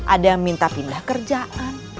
ada yang minta pindah kerjaan